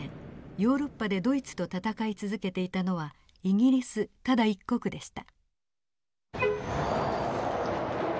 ヨーロッパでドイツと戦い続けていたのはイギリスただ一国でした。